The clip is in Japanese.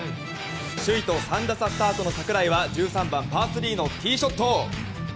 首位と３打差スタートの櫻井は１３番、パー３のティーショット！